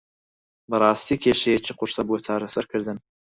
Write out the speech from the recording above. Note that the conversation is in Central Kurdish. بەڕاستی کێشەیەکی قورسە بۆ چارەسەرکردن.